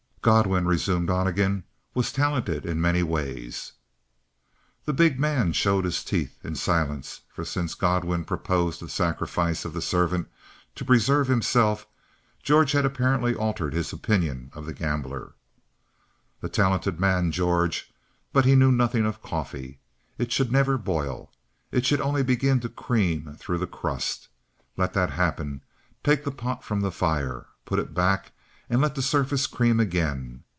"Godwin," resumed Donnegan, "was talented in many ways." The big man showed his teeth in silence; for since Godwin proposed the sacrifice of the servant to preserve himself, George had apparently altered his opinion of the gambler. "A talented man, George, but he knew nothing about coffee. It should never boil. It should only begin to cream through the crust. Let that happen; take the pot from the fire; put it back and let the surface cream again.